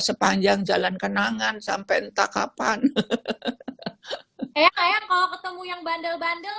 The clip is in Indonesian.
sepanjang jalan kenangan sampai entah kapan hehehe kayak kayak kalau ketemu yang bandel bandelnya